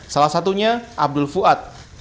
salah satunya abdul fuad